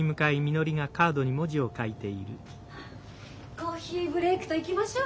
コーヒーブレークといきましょう。